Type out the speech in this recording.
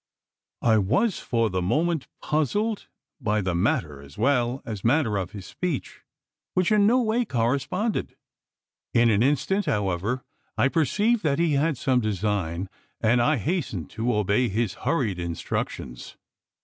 '" I was for the moment puzzled, by the matter as well as manner of his speech, which in no way corresponded. In an instant, however, I perceived that he had some design; and I hastened to obey his hurried instructions.